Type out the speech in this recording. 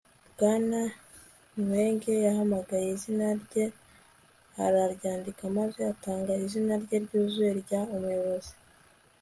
bwana nwege yahamagaye izina rye araryandika maze atanga izina rye ryuzuye rya 'umuyobozi